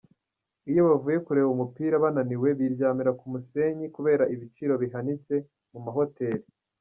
Iyi bavuye kureba umupira bananiwe biryamira ku musenyi kubera ibiciro bihanitse mu mahoteli.